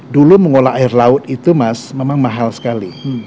dulu mengolah air laut itu mas memang mahal sekali